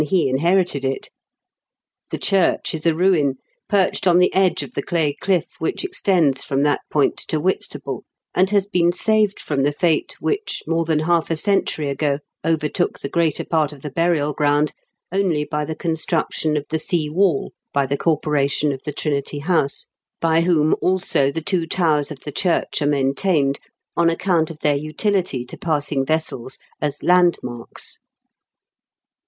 he inherited it The church is a ruin, perched on the edge of the clay cliff which extends from that point to Whitstable, and has been saved from the fate which, more than half a century ago, overtook the greater part of the burial ground, only by the construction of the sea wall by the corporation of the Trinity House, by whom also the two towers of the church are maintained, on account of their utility to passing vessels as landmarks.